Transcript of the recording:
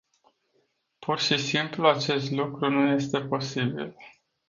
Pur și simplu acest lucru nu este posibil.